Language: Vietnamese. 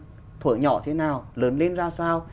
là cái khả năng thổi nhỏ thế nào lớn lên ra sao